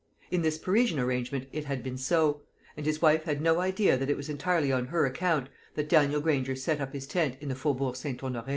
In this Parisian arrangement it had been so, and his wife had no idea that it was entirely on her account that Daniel Granger set up his tent in the Faubourg St. Honoré.